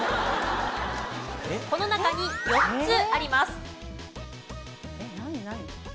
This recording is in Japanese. この中に４つあります。